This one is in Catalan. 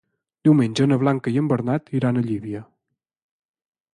Diumenge na Blanca i en Bernat iran a Llívia.